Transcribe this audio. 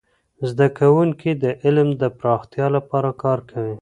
زده کوونکي د علم د پراختیا لپاره کار کوي.